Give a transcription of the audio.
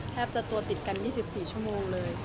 แทบจะตัวติดกัน๒๔ชั่วโมงเลย